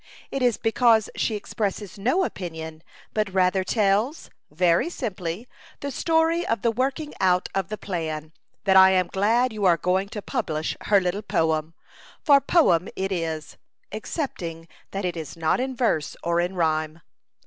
It is because she expresses no opinion, but rather tells, very simply, the story of the working out of the plan, that I am glad you are going to publish her little poem : for poem it is, excepting that it is not in verse or in rhyme.